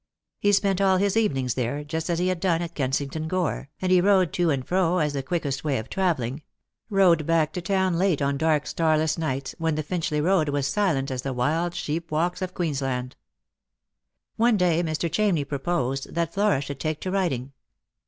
He spent all his evenings there, just as he had done at Kensington Gore, and he rode to and fro, as the quickest way of travelling — rode back to town late on dark starless nights, when the Finchley road was silent as the wild sheep walks of Queensland. One day Mr. Chamney proposed that Flora should take to riding.